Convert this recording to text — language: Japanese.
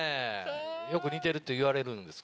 よく似てると言われるんですか？